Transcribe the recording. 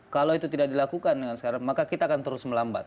kalau itu tidak dilakukan dengan sekarang maka kita akan terus melambat